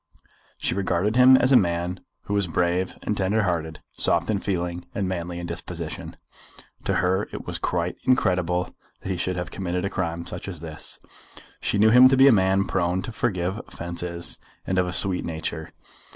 She regarded him as a man who was brave and tender hearted, soft in feeling and manly in disposition. To her it was quite incredible that he should have committed a crime such as this. She knew him to be a man prone to forgive offences, and of a sweet nature."